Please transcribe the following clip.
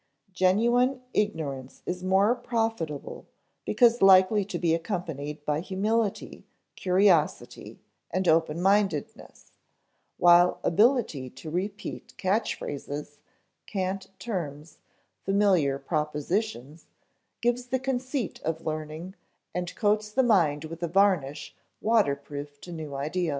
Genuine ignorance is more profitable because likely to be accompanied by humility, curiosity, and open mindedness; while ability to repeat catch phrases, cant terms, familiar propositions, gives the conceit of learning and coats the mind with a varnish waterproof to new ideas.